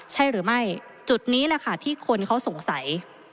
ใช่หรือไม่จุดนี้แหละค่ะที่คนเขาสงสัย